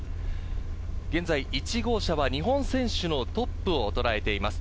現在１号車は日本選手のトップをとらえています。